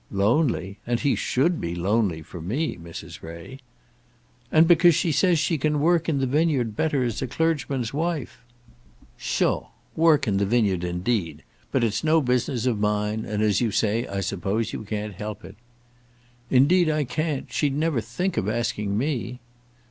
"Lonely! and he should be lonely for me, Mrs. Ray." "And because she says she can work in the vineyard better as a clergyman's wife." "Pshaw! work in the vineyard, indeed! But it's no business of mine; and, as you say, I suppose you can't help it." "Indeed I can't. She'd never think of asking me."